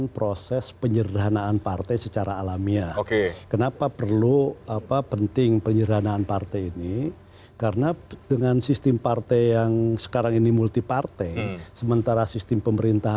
pertama pertama pertama